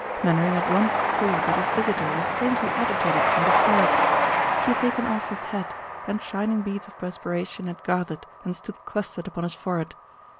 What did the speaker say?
Mainwaring at once saw that his visitor was strangely agitated and disturbed. He had taken off his hat, and shining beads of perspiration had gathered and stood clustered upon his forehead.